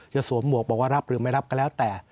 สวมหมวกบอกว่ารับหรือไม่รับก็แล้วแต่